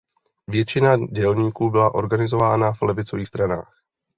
Většina dělníků byla organizována v levicových stranách.